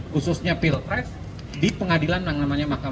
khususnya pilpres di pengadilan yang namanya mahkamah